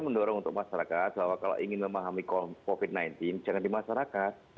mendorong untuk masyarakat bahwa kalau ingin memahami covid sembilan belas jangan di masyarakat